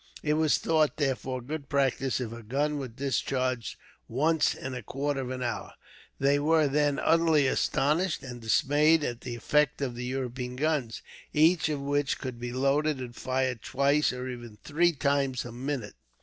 It was thought, therefore, good practice if a gun were discharged once in a quarter of an hour. They were, then, utterly astounded and dismayed at the effects of the European guns, each of which could be loaded and fired twice, or even three times, a minute.